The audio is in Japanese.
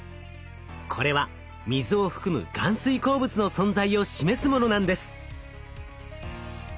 これは水を含む含水鉱物の存在を示すものなんです。